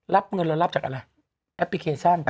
รับเงินเรารับจากอะไรแอปพลิเคชัน